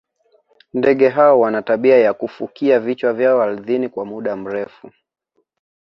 ndege hao wana tabia ya kufukia vichwa vyao ardhini kwa muda mrefu